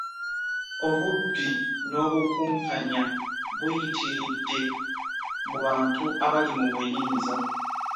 obubbi n'obukumpanya buyitiridde mu bantu abali mu buyinza